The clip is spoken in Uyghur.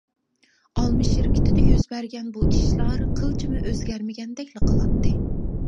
ئالما شىركىتىدە يۈز بەرگەن بۇ ئىشلار قىلچىمۇ ئۆزگەرمىگەندەكلا قىلاتتى.